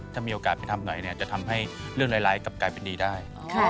ถ้ามีโอกาสไปทำหน่อยจะทำให้เรื่องร้ายกลับกลายเป็นดีได้